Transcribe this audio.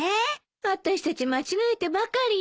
あたしたち間違えてばかりね。